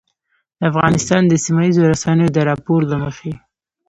د افغانستان د سیمهییزو رسنیو د راپور له مخې